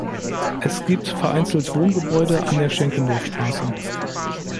Es gibt vereinzelt Wohngebäude an der Schenkendorfstraße.